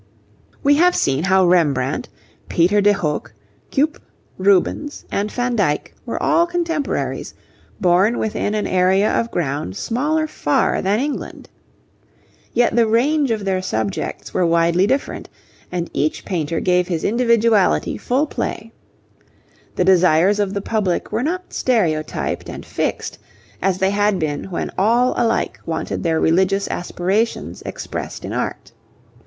We have seen how Rembrandt, Peter de Hoogh, Cuyp, Rubens, and Van Dyck were all contemporaries, born within an area of ground smaller far than England. Yet the range of their subjects was widely different, and each painter gave his individuality full play. The desires of the public were not stereotyped and fixed, as they had been when all alike wanted their religious aspirations expressed in art.